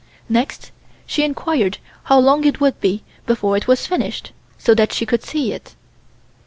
Next she enquired how long it would be before it was finished, so that she could see it.